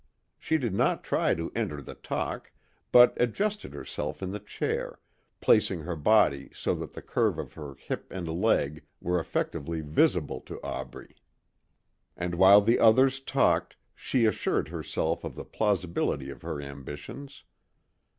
She did not try to enter the talk but adjusted herself in the chair, placing her body so that the curve of her hip and leg were effectively visible to Aubrey. And while the others talked she assured herself of the plausibility of her ambitions.